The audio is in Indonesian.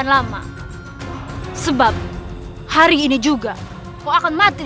sampai jumpa lagi